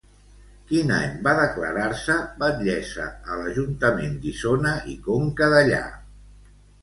Quin any va declarar-se batllessa a l'Ajuntament d'Isona i Conca Dellà?